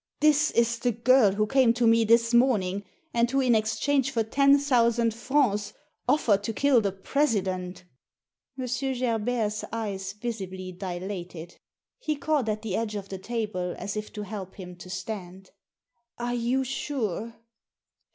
"This is the girl who came to me this morning, and who, in exchange for ten thousand francs, offered to kill the President" M. Gerbert's eyes visibly dilated He caught at the edge of the table as if to help him to stand. "Are you sure?"